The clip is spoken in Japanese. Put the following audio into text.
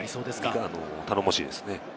頼もしいですね。